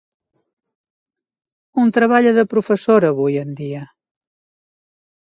On treballa de professora avui en dia?